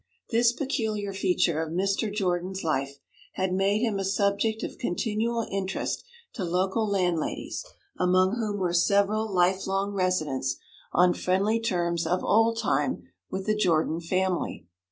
This peculiar feature of Mr. Jordan's life had made him a subject of continual interest to local landladies, among whom were several lifelong residents, on friendly terms of old time with the Jordan family.